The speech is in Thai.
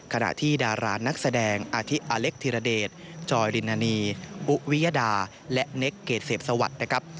ขณะที่ดารานักแสดงอาธิอเล็กธิรเดชจอยรินานีอุวิยดาและเน็กเกรดเสพสวัสดิ์นะครับ